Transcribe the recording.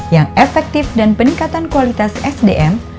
yang efektif dan peningkatan kualitas sdm